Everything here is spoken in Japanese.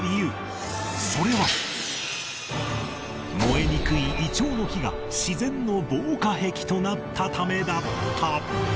燃えにくいイチョウの木が自然の防火壁となったためだった